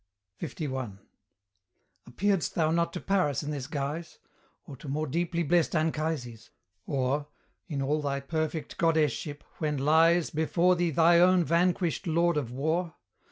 LI. Appearedst thou not to Paris in this guise? Or to more deeply blest Anchises? or, In all thy perfect goddess ship, when lies Before thee thy own vanquished Lord of War?